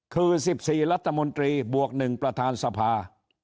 คือ๑๔รัฐมนตรีบวก๑ประธานสภา